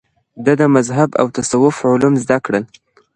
ده د مذهب او تصوف علوم زده کړل